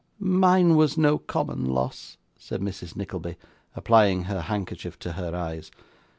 'Mine was no common loss!' said Mrs. Nickleby, applying her handkerchief to her eyes.